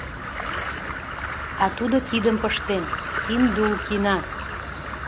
А тудо кидым пыштен: «Киндулкина».